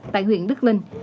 tại huyện đức linh